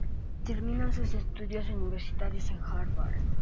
Termina sus estudios universitarios en Harvard.